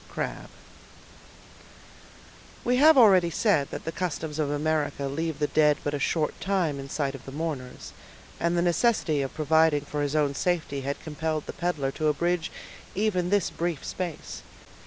—CRABBE. We have already said that the customs of America leave the dead but a short time in sight of the mourners; and the necessity of providing for his own safety had compelled the peddler to abridge even this brief space.